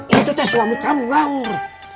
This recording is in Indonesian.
itu teh suami kamu ngamur